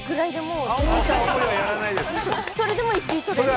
それでも１位とれる。